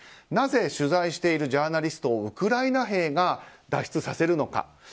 なぜ取材しているジャーナリストをウクライナ兵が脱出させるのか。